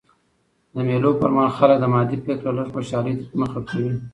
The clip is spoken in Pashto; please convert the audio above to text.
د مېلو پر مهال خلک له مادي فکره لږ خوشحالۍ ته مخه کوي.